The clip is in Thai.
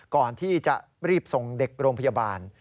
ก่อนที่จะรีบส่งเด็กโรงพยาบาล